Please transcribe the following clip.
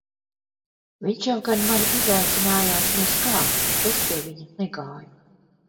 Viņš jau gan mani izaicinājās nez kā, bet es pie viņa negāju.